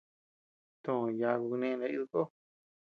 To yaku kane naidii koo.